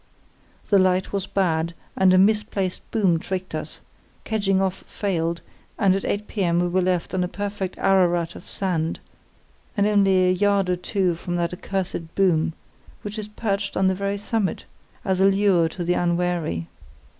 The light was bad, and a misplaced boom tricked us; kedging off failed, and at 8 p.m. we were left on a perfect Ararat of sand, and only a yard or two from that accursed boom, which is perched on the very summit, as a lure to the unwary.